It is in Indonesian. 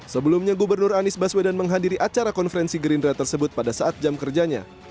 sebelumnya gubernur anies baswedan menghadiri acara konferensi gerindra tersebut pada saat jam kerjanya